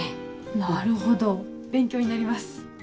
なるほど勉強になります。